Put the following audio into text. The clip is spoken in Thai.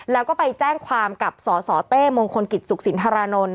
แล้วก็ไปแจ้งความกับสสเต้มงคลกิจสุขสินธารานนท์